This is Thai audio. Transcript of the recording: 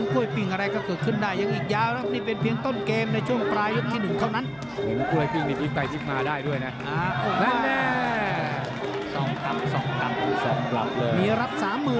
ครับผู้เห่ยของเรานะครับ